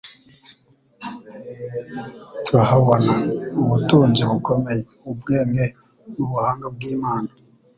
Tuhabona «ubutunzi bukomeye, ubwenge n'ubuhanga bw'Imana».